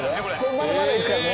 まだまだいくからね。